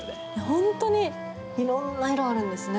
本当に色んな色あるんですね